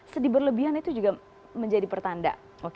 sedih berlebihan itu juga menjadi pertanda